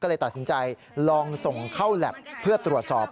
ก็เลยตัดสินใจลองส่งเข้าแล็บเพื่อตรวจสอบ